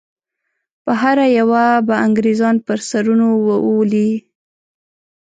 په هره یوه به انګریزان پر سرونو وولي.